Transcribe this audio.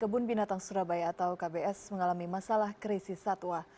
kebun binatang surabaya atau kbs mengalami masalah krisis satwa